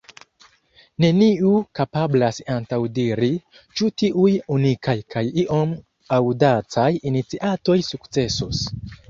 Neniu kapablas antaŭdiri, ĉu tiuj unikaj kaj iom aŭdacaj iniciatoj sukcesos.